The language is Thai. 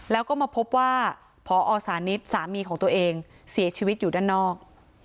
แล้วก็มาพบว่าพอสานิทสามีของตัวเองเสียชีวิตอยู่ด้านนอก